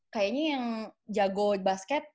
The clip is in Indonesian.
kayaknya yang jago basket